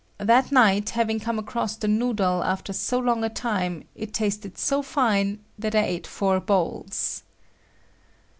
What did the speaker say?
That night, having come across the noodle after so long a time, it tasted so fine that I ate four bowls.